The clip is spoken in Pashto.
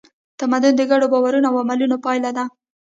تمدن د ګډو باورونو او عملونو پایله ده.